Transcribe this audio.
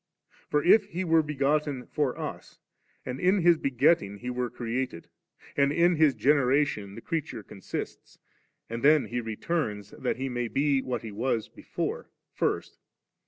For, if He were begotten for us, and in His begetting we were created, and in His generation the creature consists, and then He returns that He may be what He was before, first.